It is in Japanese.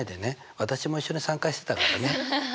私も一緒に参加してたからね。